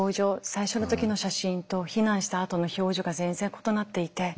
最初の時の写真と避難したあとの表情が全然異なっていて。